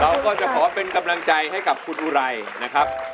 เราก็จะขอเป็นกำลังใจให้กับคุณอุไรนะครับ